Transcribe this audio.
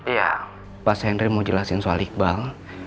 ya mas henry mau jelasin soal iqbal